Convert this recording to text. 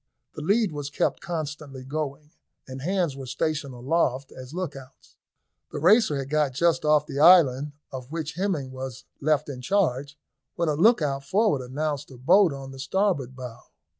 The lead was kept constantly going, and hands were stationed aloft as lookouts. The Racer had got just off the island of which Hemming was left in charge, when a lookout forward announced a boat on the starboard bow.